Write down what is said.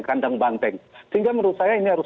kandang banteng sehingga menurut saya ini harus